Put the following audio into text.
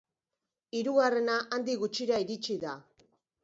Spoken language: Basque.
Hirugarrena handik gutxira iritsi da.